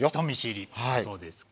そうですか。